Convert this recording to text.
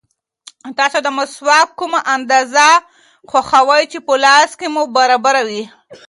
تاسو د مسواک کومه اندازه خوښوئ چې په لاس کې مو برابر وي؟